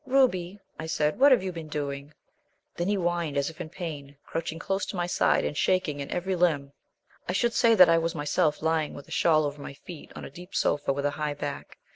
"Ruby," I said, "what have you been doing?" Then he whined as if in pain, crouching close to my side and shaking in every limb. I should say that I was myself lying with a shawl over my feet on a deep sofa with a high back.